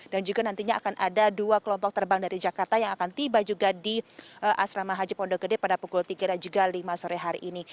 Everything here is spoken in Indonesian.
dan juga nantinya akan ada dua kelompok terbang dari jakarta yang akan tiba juga di asrama haji pondok gede pada pukul tiga dan juga lima sore hari ini